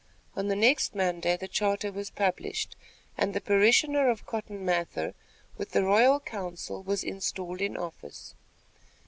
On the next Monday, the charter was published, and the parishioner of Cotton Mather, with the royal council, was installed in office.